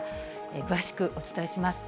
詳しくお伝えします。